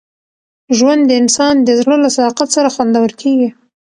ژوند د انسان د زړه له صداقت سره خوندور کېږي.